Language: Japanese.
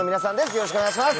よろしくお願いします。